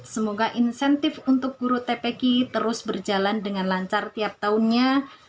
semoga insentif untuk guru tpk terus berjalan dengan lancar tiap tahunnya